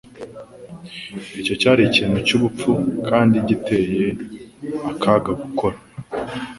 Icyo cyari ikintu cyubupfu kandi giteye akaga gukora.